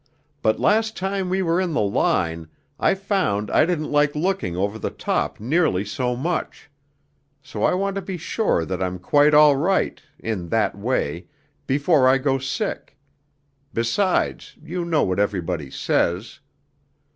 but last time we were in the line I found I didn't like looking over the top nearly so much ... so I want to be sure that I'm quite all right ... in that way ... before I go sick.... Besides, you know what everybody says....'